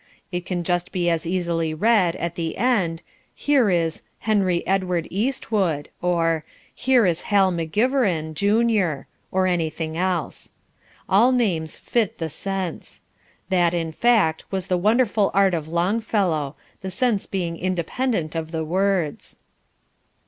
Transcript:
It can just as easily read, at the end, "Here is Henry Edward Eastwood," or, "Here is Hal McGiverin, Junior," or anything else. All names fit the sense. That, in fact, was the wonderful art of Longfellow the sense being independent of the words.